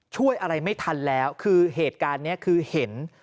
ช่วยอะไรไม่ทันแล้วคือเหตุการณ์นี้คือเห็น